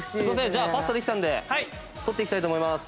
じゃあパスタできたので取っていきたいと思います。